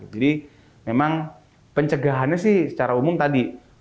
jadi memang pencegahannya sih secara umum tadi